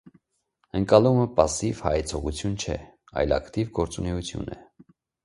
Ընկալումը պասսիվ հայեցողություն չէ, այլ ակտիվ գործունեություն է։